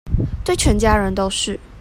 對全家人都是